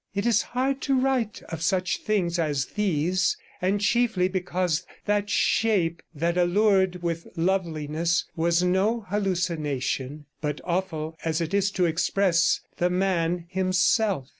It is hard to write of such things as these, and chiefly because that shape that allured 122 with loveliness was no hallucination, but, awful as it is to express, the man himself.